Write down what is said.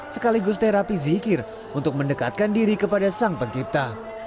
sekaligus terapi zikir untuk mendekatkan diri kepada sang pencipta